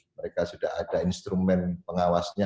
mereka sudah ada instrumen pengawasnya